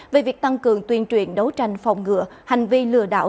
về việc tăng cường tuyên truyền đấu tranh phòng ngựa hành vi lừa đảo